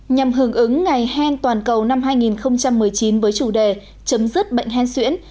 nhằm hưởng ứng ngày hen toàn cầu năm hai nghìn một mươi chín với chủ đề chấm dứt bệnh hen xuyễn